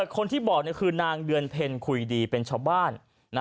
คนที่บอกคือนางเดือนเพ็ญคุยดีเป็นชาวบ้าน